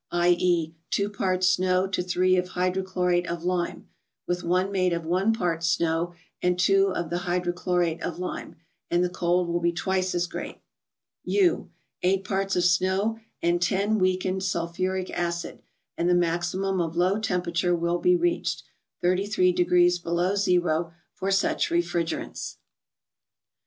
/.<?., 2 parts snow to 3 of hy¬ drochlorate of lime, with one made of 1 part snow and 2 of the hydrochlorate of lime, and the cold will be twice as great. U. —Eight parts of snow and 10 weakened sulphuric acid, and the maximum of low temperature will be reached, 33 degrees below zero, for such refrigerants.